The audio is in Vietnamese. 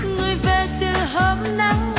người về từ hôm nắng